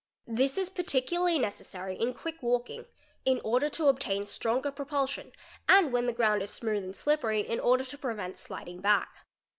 This is particularly necessary in quick walking, i ~ order to obtain stronger propulsion and when the ground is smooth ant slippery in order to prevent sliding back.